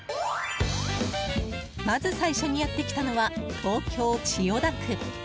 まず最初にやってきたのは東京・千代田区。